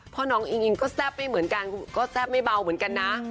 เพราะน้องอิงอิงก็แซ่บไม่เหมือนกันก็แซ่บไม่เบาเหมือนกันนะ